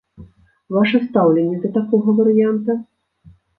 Вашае стаўленне да такога варыянта?